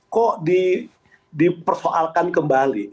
kok dipersoalkan kembali